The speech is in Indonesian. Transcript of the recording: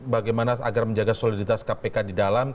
bagaimana agar menjaga soliditas kpk di dalam